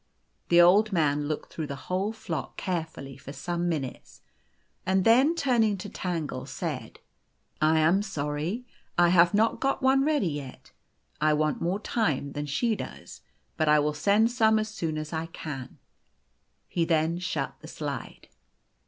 The Old Man looked through the whole flock carefully for some minutes, and then turn ing to Tangle, said, " I am sorry I have not got one ready yet. I want more time than she does. But I will send some as soon as I can." He then shut the slide.